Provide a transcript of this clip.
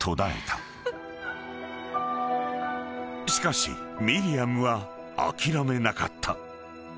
［しかしミリアムは諦めなかった］